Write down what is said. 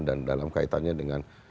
dan dalam kaitannya dengan